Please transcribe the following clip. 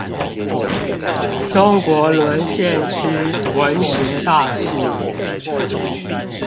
中國淪陷區文學大系